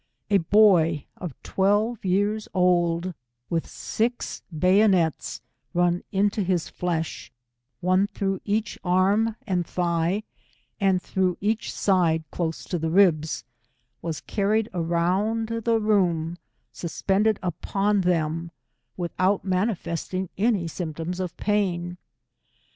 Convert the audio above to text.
A boy of twelve years old, with six bayooets ruu into his flesh, one through each arm aad thigh, and through each side close to the ribs, was carried around the room, suspended upon them, without manifesting any symptoms of pain.